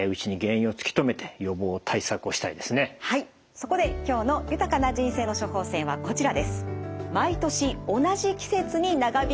そこで今日の「豊かな人生の処方せん」はこちらです。